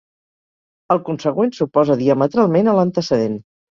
El consegüent s'oposa diametralment a l'antecedent.